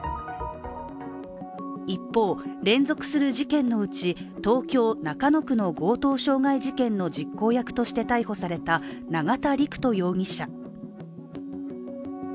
一方、連続する事件のうち、東京・中野区の強盗傷害事件の実行役として逮捕された永田陸人容疑者。